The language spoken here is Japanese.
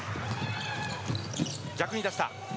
逆に出した。